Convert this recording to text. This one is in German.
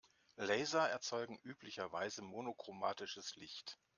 Laser erzeugen üblicherweise monochromatisches Licht.